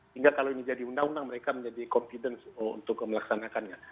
hingga kalau ini jadi undang undang mereka menjadi confidence untuk melaksanakannya